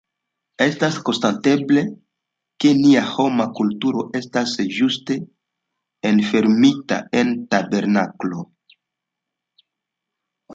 Estas konstateble, ke nia homa kulturo estas ĝuste enfermita en tabernakloj.